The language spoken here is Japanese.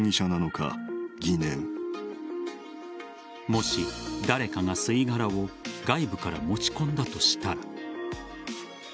もし、誰かが吸い殻を外部から持ち込んだとしたら。